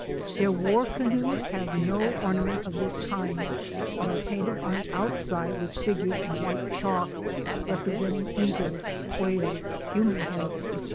Their war canoes have no ornament of this kind, but are painted en the out side with figures in white chalk, representing eagles, whales, human heads, &c.